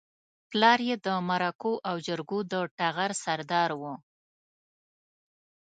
پلار يې د مرکو او جرګو د ټغر سردار و.